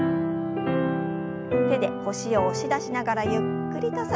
手で腰を押し出しながらゆっくりと反らせます。